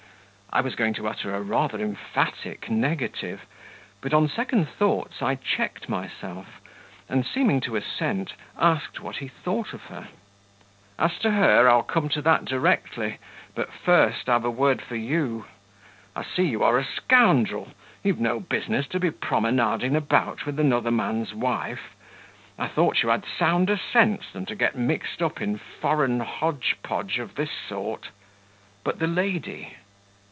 I was going to utter a rather emphatic negative, but on second thoughts I checked myself, and, seeming to assent, asked what he thought of her? "As to her, I'll come to that directly; but first I've a word for you. I see you are a scoundrel; you've no business to be promenading about with another man's wife. I thought you had sounder sense than to get mixed up in foreign hodge podge of this sort." "But the lady?"